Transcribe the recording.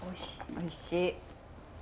おいしい。